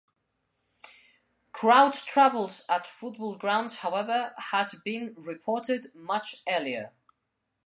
Crowd troubles at football grounds however had been reported much earlier.